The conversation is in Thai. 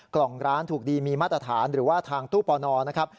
กล่องร้านถูกดีมีมาตรฐานหรือว่าทางตู้ปอนอนะครับ